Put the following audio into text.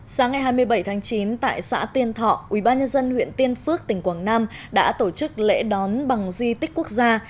sáng ngày hai mươi bảy tháng chín tại xã tiên thọ ubnd huyện tiên phước tỉnh quảng nam đã tổ chức lễ đón bằng di tích quốc gia